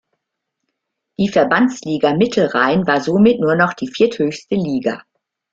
Die Verbandsliga Mittelrhein war somit nur noch die vierthöchste Liga.